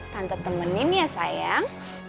tante temenin ya sayang